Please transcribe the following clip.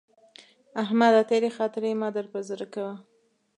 احمده! تېرې خاطرې مه در پر زړه کوه.